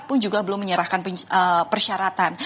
pun juga belum menyerahkan persyaratan